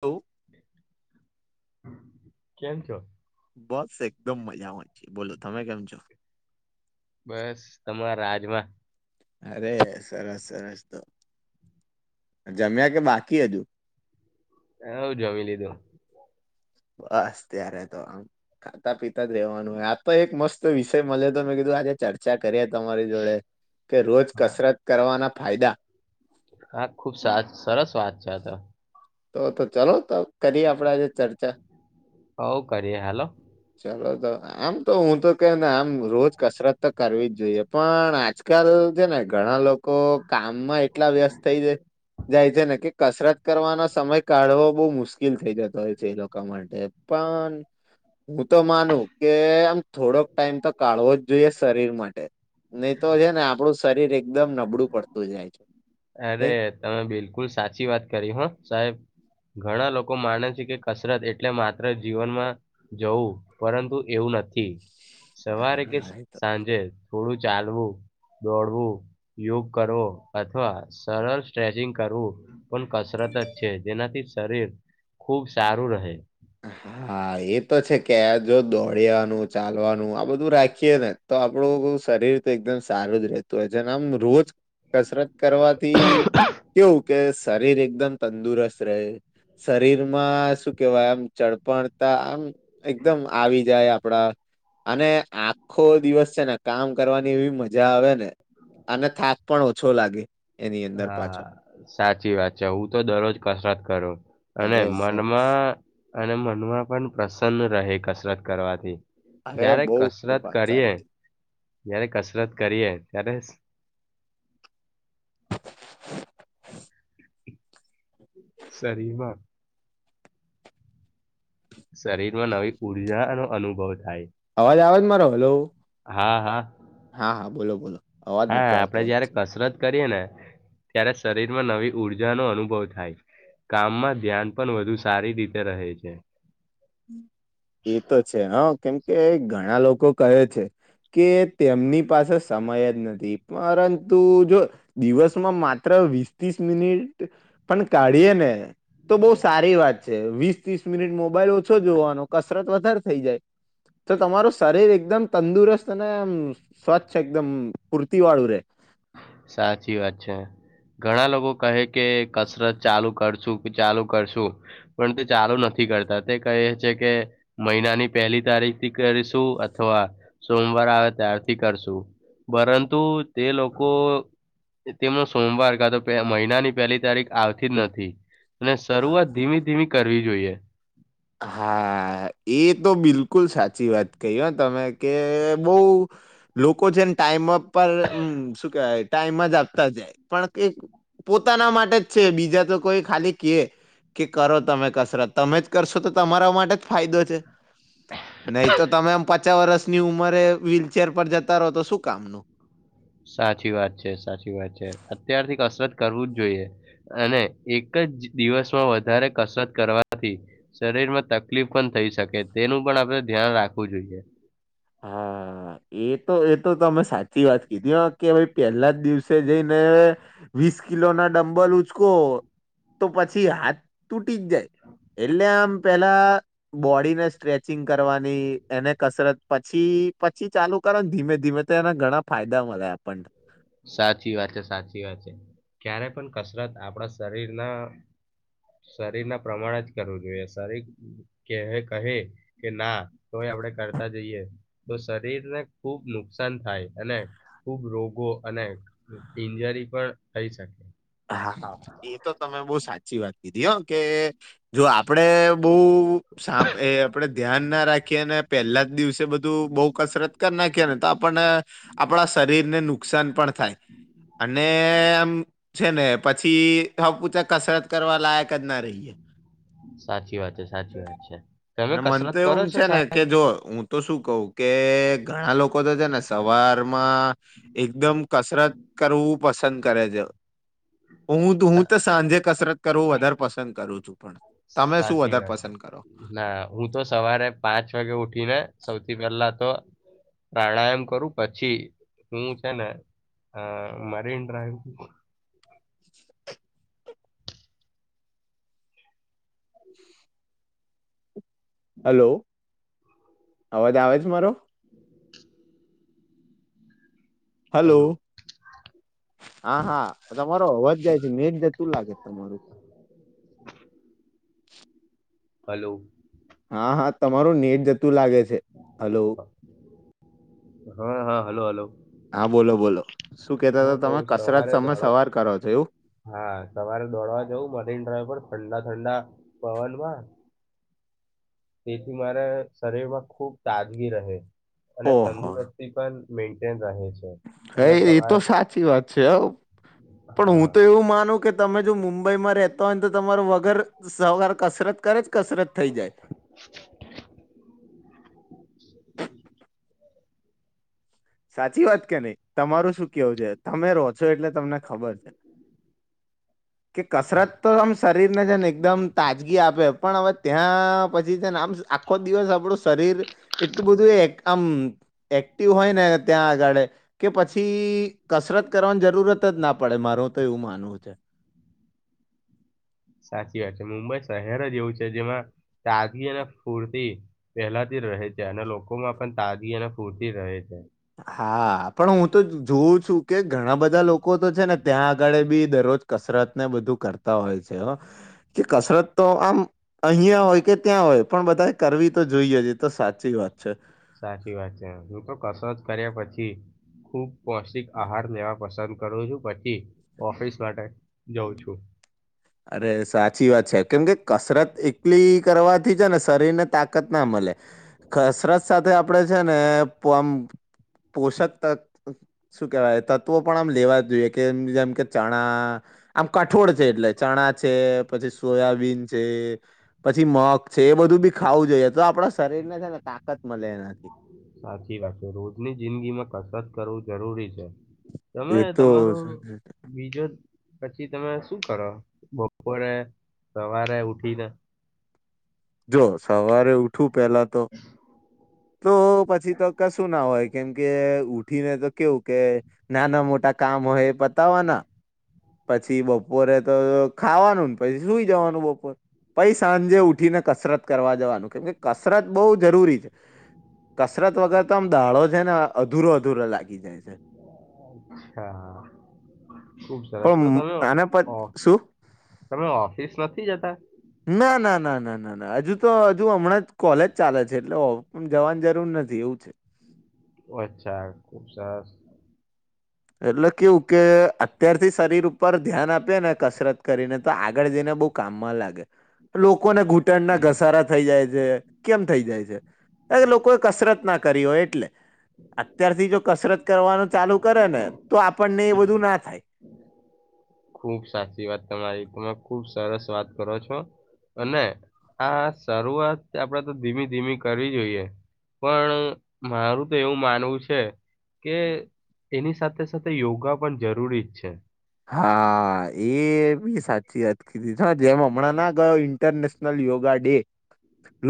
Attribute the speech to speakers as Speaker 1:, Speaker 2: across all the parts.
Speaker 1: તો
Speaker 2: કેમ છો
Speaker 1: બસ એકદમ મજામાંચી બોલો તમે કેમ છો
Speaker 2: બસ તમારા રાજમાં
Speaker 1: અરે સરસ સરસ તો જમ્યા કે બાકી હજુ
Speaker 2: એવ જોવીી લીધું
Speaker 1: બસ ત્યારે તો આમ ખાતા પીતા જ રહેેવાનું હો આ તો એક મસ્ત વિષય મળે તો મેં કીધું આજે ચર્ચા કરીએ તમારી જોડે કે રોજ
Speaker 2: હા.
Speaker 1: કસરત કરવાના ફાયદા
Speaker 2: હા ખુબ સા સરસ વાત છે આ તો
Speaker 1: તો તો ચાલો ત કરીએ આપડા આજે ચર્ચા
Speaker 2: હવ કરીએ હાલો
Speaker 1: ચાલો આમ તો હું તો કેને આમ રોજ કસરત તો કરવી જ જોઈએ પણ પણ આજકાલ જે ને ઘણા લોકો કામમાં એટલા વ્યસ્ત થઈ જ જાય છે ને કે કસરત કરવાનો સમય કાઢવો બહુ મુશ્કેલ થઈ જતો હોય છે એ લોકો માટે પણ હું તો માનું કે આમ થોડોક ટાઈમ તો કાઢવો જ જોઈએ શરીર માટે. નહી તો છે, ને આપણું શરીર એકદમ નબળું પડતું જાય છે.
Speaker 2: અરે
Speaker 1: નહી
Speaker 2: તમે બિલકુલ સાચી વાત કરી હો સાહેબ. ઘણા લોકો માને છે, કે કસરત એટલે માત્ર જીવનમાં જવું પરંતુ એવું ન નથી સવારે કે
Speaker 1: હા એ તો
Speaker 2: સાંજે. થોડું ચાલવું દોડવું યોગ કરવો અથવા. સરળ સ્ટ્રેચિંગ કરવું પણ કસરત જ છે, જેનાથી શરીર. ખુબ સારું રહે
Speaker 1: હા હા એ તો છે, કે જો દોડ્યાનું ચાલવાનું આ બધું રાખીે ને તો આપડું શરીર તો એકદમ સારું જ રહેતું હોય છેને આમ રોજ. કસરત કરવાથી કેવું કે. શરીર એકદમ તંદુરસ્ત રહે શરીરમાં શું કેવાય આમ. ચડપણતા આમ એકદમ આવી જાય આપડા. અને આખો દિવસ છે ને કામ કરવાની એવી મજા. જ્યાં આવે ને અને થાક પણ ઓછો લાગે એની અંદર
Speaker 2: હા
Speaker 1: પાછો
Speaker 2: સાચી વાત છે હું તો દરરોજ કસરત કરું અને
Speaker 1: અરે સરસ
Speaker 2: મનમાં અને મનમાં પણ પ્રસન્ન રહે કસરત કરવાથી.
Speaker 1: અરે
Speaker 2: જ્યારે
Speaker 1: બહુ ખુબ
Speaker 2: કસરત
Speaker 1: વાત
Speaker 2: કરીએ.
Speaker 1: સારી કીધી.
Speaker 2: જયારે કસરત કરીએ ત્યારે. શરીરમાં શરીર માં નવી ઉર્જા નો અનુભવ થાય.
Speaker 1: અવાજ આવે છે મારો હલો
Speaker 2: હા હા
Speaker 1: હા હા બોલો બોલો. અવાજ
Speaker 2: હા
Speaker 1: નતો આવતો
Speaker 2: આપડે જયારે
Speaker 1: વચ્ચે.
Speaker 2: કસરત કરીએ ને ત્યારે શરીરમાં નવી ઊર્જાનો અનુભવ થાય કામમાં ધ્યાન પણ વધુ સારી રીતે રહે છે.
Speaker 1: એતો છે, હા કેમ. કે ઘણા લોકો કહે છે, કે તેમની પાસે સમય જ નથી. પરંતુ જો દિવસમાં માત્ર વીસ ત્રીસ મિનિટ પણ કાઢીએ ને. તો બહ સારી વાત છે, વીસ ત્રીસ મિનિટ મોબાઈલ. છો જોવા કસરત વધારે થઈ જાય તો તમારું શરીર એકદમ તંદુરસ્ત ને સ્વચ્છ એકદમ પૂરતી વાળું રે.
Speaker 2: સાચી વાત છે. ઘણા લોકો કહે કે કસરત ચાલુ કરશું કે ચાલુ કરશું પણ તે ચાલુ નથી. થી કરતા તે કહે છે કે મહિનાની પહેલી તારીખથી કરીશું અથવા સોમવા [unintelligible] ત્યારથી કરશું પરંતુ તે લોકો. લોકો તેમનો સોમવાર કા તો મહિનાની પહેલી તારીખ આવતી જ નથી. અને શરૂઆત ધીમી ધીમી કરવી જોઈએ.
Speaker 1: હા એ તો બિલકુલ સાચી વાત કહી તમે. કે બઉ લોકો છેને ટાઈમ [unintelligible] શું કેવાય ટાઈમ જ આપતા જાય પણ. પોતાના માટે જ છે, બીજા તો કોઈ ખાલી કે કે કરો તમે કસરત તમે જ. કરશો તો તમારા માટે જ ફાયદો છે, નહી તો તમે પાચાસ વર્ષની ઉંમરે વ્હીલચેર પર જતા રહો તો શું કામનું.
Speaker 2: સાચી વાત છે સાચી વાત છે અત્યારથી કસરત કરવું જ જોઈએ અને એક જ દિવસમાં વધારે કસરત કરવાથી શરીર શરીરમાં તકલીફ પણ થઈ શકે તેનું પણ આપણે ધ્યાન રાખવું જોઈએ
Speaker 1: હા એ તો એ તો અમે સાચી વાત કીધી કે ભાઈ પેલા જ દિવસે જઈને વીસ કિલો ના ડંબલ ઉચકો તો પછી હાથ તૂ પીજજ એલાા પેલા બોડીને સ્ટ્રેચિંગ કરવાની એને કસરત પછી પછી ચાલુ કરાના ધીમે ધીમે તેના ઘણા ફાયદા મિલે આપણને
Speaker 2: સાચી વાત છે સાચી વાત છે ક્યારે પણ કસરત આપણા શરીરના શરીર ના પ્રમાણે જ કરવું જોઈએ શરીર ક કહે કે ના તો આપ કરતા જઈએ તો શરીરને ખુબ નુકસાન થાય અને ખૂબ રોગો અને ઇન્જરી પણ થઈ શકે
Speaker 1: હા હા એ તો તમે બહ સાચી વાત કીધી હ કે જો આપણેે બહુ સાપ એ આપણેે ધ્યાન ના રાખીએ અને પહેલા જ દિવસે બધું બહુ કસરત નાખને તો આપણને આપણા શરીર ને નું નુકસાન પણ થાય અને આમ છે ને પછી હ પૂછે કસરત કરવા લાયક જ ના રહીએ
Speaker 2: સાચી વાત છે સાચી વાત છે તમે
Speaker 1: અને મન તો
Speaker 2: કસરત કરો
Speaker 1: એવુંમ
Speaker 2: છો
Speaker 1: છે ને
Speaker 2: સાહેબ
Speaker 1: કે જો હું તો શું કવ કે ઘણા લોકો છે ને સવારમાં એકદમ કસરત કરવું પસંદ કરે છે હું હું
Speaker 2: સા
Speaker 1: તો સાંજે કસરત કરવું વધારે પસંદ કરું છું પણ તમે શું
Speaker 2: સાચી
Speaker 1: વધારે
Speaker 2: વાત છે
Speaker 1: પસંદ કરો
Speaker 2: ના હું તો સવારે પાંચ વાગે ઉઠીને સૌથી પેલા તો પ્રાણાયામ કરું પછી શું છે ને હા મરીન ડ્ર
Speaker 1: હલો અવાજ આવે છે મારો હલો હા હા તમારો હોવાજ જાય છે મેંજ ને તું લાગે તમારું
Speaker 2: હલો
Speaker 1: હા હા તમાર નેટ જતું લાગે છે હલો
Speaker 2: હા હા હલોો હલોો
Speaker 1: હા બોલો બોલો શું કેતા હતા
Speaker 2: તો
Speaker 1: તમે
Speaker 2: હું
Speaker 1: કસરત
Speaker 2: સવારે
Speaker 1: તમે
Speaker 2: દોડો
Speaker 1: સવાર કરો છો એવું
Speaker 2: હા તમારે દોડવા જવું મદીન ડ્રાઈ પર ઠંડા ઠંડા પવનમાં તેથી મારા શરીર માં ખુબ તાજગી રહે અને તંદુરસ્તી પણ મેન્ટેન્સ છે
Speaker 1: હા
Speaker 2: અને
Speaker 1: એતો
Speaker 2: સવાર
Speaker 1: સાચી વાત છે હ પણ
Speaker 2: હા
Speaker 1: હું તો એવું માનું કે તમે જો મુંબઈમાં રહેતા તોયને તો તમાર વગર સહકાર કસરત કરે કરત થ જ સાચી વાત કે નહી તમારું શું કેવું છે તમે રો છો એટલે તમને ખબર છે કે કસરત તો આમ શરીરને છે ને એકદમ તાજગી આપે પણ હવે ત્યાં પછીને આમ આખો દિવસ આપણું શરીર એટલું બધું આમ એક્ટિવ હોય ને ત્યાં આગળે કે પછી કસરત કરવાની જરૂરત જ ના પડે માર તો એવું માનવું છે [inaudible]
Speaker 2: સાચી વાત છે મુંબઈ શહેર જ એવું છે જેમાં તાજગી અને ફૂરતી પહેલાથી રહે છે અને લોકોમાં પણ તાજગી અને ફૂરતી રહે છે
Speaker 1: હા પણ હું તો જોઉં છું કે ઘણા બધા લોકો તો છે ને ત્યાં આગળ બી દરરોજ કસર ર ને બધું કરતા હોય છે કે કસરત તો આમ અહિયાં હોય કે ત્યાં હોય પણ બધા કરવી તો જોઈએ જ એ તો સાચી વાત છે
Speaker 2: સાચી વાત છે હું તો કસરત કર્યા પછી ખુબ પૌષ્ટિક આહાર લેવા પસંદ કરું છું પછી ઓફિસ માટે જઉં છું
Speaker 1: અરે સાચી વાત છે કેમ કે કસરત એલી કરવાથી છે ને શરીર ને તાકત ના મળે કસરત સાથે આપડે છેને પન પોષક તત શું કેહેવાય તત્વો પણ આમ લેવા જોઈએ કે જેમ કે ચણા આમ કઠોળ છે એટલે ચણા છે પછી સોયાબીન છે પછી મગ છે એ બધું બી ખાવું જોઈએ તો આપડા શરીર ને છે ને તા
Speaker 2: સાચી વાત છે રોજની જિંદગી માં કસરત કરવું જરૂરી છે તમે
Speaker 1: એ તો
Speaker 2: તમારો બીજો પછી તમે શું કરો બપોરે સવારે ઉઠીને
Speaker 1: જો સવારે ઉઠવું પેલા તો તો પછી તો કશું ના હોય કેમ કે ઉઠીને તો કેવું કે નાના મોટા કામ હોય એ પતાવવાના પછી બપોરે તો ખાવાનું ને પછી સુઈ જવાનું બપોર પછી સાંજે ઉઠીને કસરત કરવા જવાનું કેમ કે કસરત બહુ જરૂરી છે કસરત વગર તો આમ દાડો છે ને અધૂરો અધૂરો લાગી જાય
Speaker 2: હા ખુબ સરસ
Speaker 1: હમ
Speaker 2: તો તમે
Speaker 1: અને પ
Speaker 2: ઓ
Speaker 1: શું
Speaker 2: તમે ઓફિસ નથી જતા
Speaker 1: ના ના ના ના ના ના હજુ તો હજુ હમણાં જ કોલેજ ચાલે છે એટલે [unintelligible] જવાની જરૂર નથી તેવું છે નથી
Speaker 2: અચ્છા ખુબ સરસ
Speaker 1: એટલે કેવું કે અત્યારથી શરીર ઉપર ધ્યાન આપે ને કસરત કરીને તો આગળ જઈને બહુ કામમાં લાગે લોકોને ઘૂંટણના ઘસારા થઈ જાય છે કેમ થઈ જાય છે એ લોકોએ કસરત ના કરી હોય એટલે અત્યારથી જો કસરત કરવાનું ચાલુ કરે ને તો આપણને એ બધું ના થાય
Speaker 2: ખુબ સાચી વાત તમારી તમે ખુબ સરસ વાત કરો છો અને આ શરૂઆત આપડે તો ધીમી ધીમી કરવી જોઈએ પણ મારું તો એવું માનવું છે કે એની સાથે સાથે યોગા પણ જરૂરી જ છે
Speaker 1: હા એ બી સાચી વાત કીધી તમે જેમ હમણાં ના ગયો ઇન્ટરનેશનલ યોગા કડે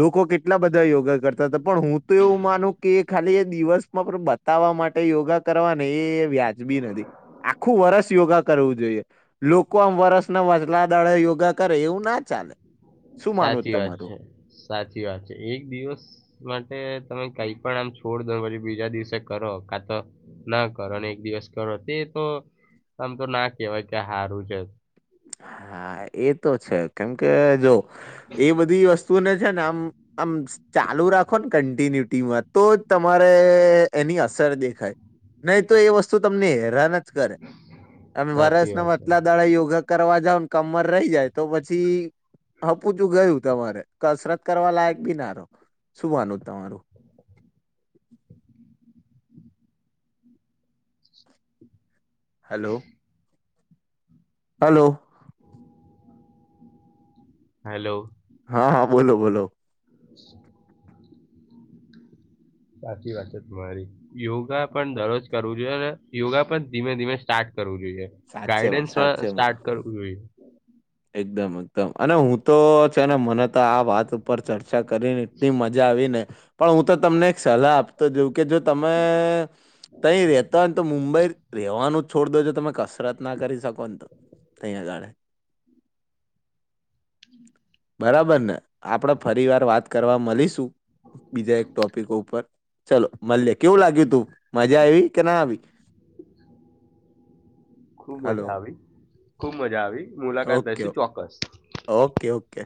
Speaker 1: લોકો કેટલા બધા યોગા કરતા હતા પણ હું તો એવું માનું કે ખાલી એ દિવસમાં પણ બતાવ મૂકવા માટે યોગા કરવાને એ વ્યાજબી નથી આખું વરસ યોગા કરવું જોઈએ લોકો આમ વરસ ના વચલા દાડે યોગા કરે એવું ના ચાલે શું માનવું
Speaker 2: સાચી વાત
Speaker 1: તમારું
Speaker 2: છે સાચી વાત છે એક દિવસ માટે તમે કંઈ પણ આમ છોડ દો પછી બીજા દિવસે કરો આ તો ના કરો અને એક દિવસ કરો તે તો આમ તો ના કેહેવાય કે હારુ છે
Speaker 1: હા એ તો છે કેમ કે જો એ બધી વસ્તુને ને આમ આમ ચાલુ રાખો ને કન્ટિન્યુટીમાં તો જ તમારે એની અસ [unintelligible] દેખાય નહી તો એ વસ્તુ તમને હેરાન જ કરે તમે
Speaker 2: સાચી
Speaker 1: વરસ ના
Speaker 2: વાત છે
Speaker 1: વચલા દાડે યોગા કરવા જાવ ન કમર રહી જાય તો પછી હપુચુ ગયું તમારે કસરત કરવા લાયક બિ નારો શું માનવું તમારું હલોવ હલો
Speaker 2: હલોવ
Speaker 1: હા હા બોલો બોલો
Speaker 2: [unintelligible] સાચી વાત છે તમારી યોગા પણ દરરોજ કરવું જોઈએ યોગા પણ ધીમે ધીમે સ્ટાર્ટ કરવું જોઈએ
Speaker 1: સાચેમાં
Speaker 2: ગાઈડન્સ
Speaker 1: સાચેમાં
Speaker 2: સ્ટાર્ટ કરવું જોઈએ
Speaker 1: એકદમ એકદમ અને હું તો છે ને મને તો આ વાત ઉપર ચર્ચા કરીને એટલી મજા આવી ને પણ હું તો તમને એક સલાહ આપતો જોઉ કે જો તમે તહી રતા હોય ને તો મુંબઈ રવાનું છોડ દોજો તમે કસરત ના કરી શકો ને તો તહીંયા આગાળે
Speaker 2: હમ
Speaker 1: બરાબર ને આપણેે ફરી વાર વાત કરવા મળીશું બીજા એક ટોપિક ઉપર ચલો મલ્ય કેવું લાગ્યું તું મજા આવી કે ના આવી [inaudible]
Speaker 2: ખુબ
Speaker 1: હલો
Speaker 2: મજા આવી ખુબ મજા આવી મુલાકાત
Speaker 1: ઓકે
Speaker 2: લશ ચોક્કસ
Speaker 1: ઓકે ઓકે